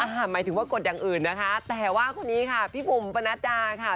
หมายถึงว่ากดอย่างอื่นนะคะแต่ว่าคนนี้ค่ะพี่บุ๋มปนัดดาค่ะ